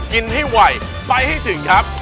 กินให้ไวไปให้ถึงครับ